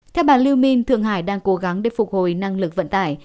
theo bà lưu minh thượng hải đang cố gắng để phục hồi năng lực vận tải